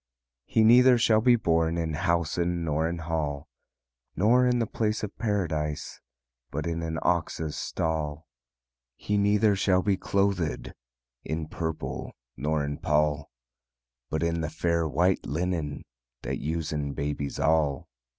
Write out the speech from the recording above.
"He neither shall be born In housen, nor in hall, Nor in the place of Paradise, But in an ox's stall. "He neither shall be clothéd In purple nor in pall; But in the fair, white linen, That usen babies all.